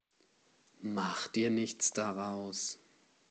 Mach dir nichts daraus.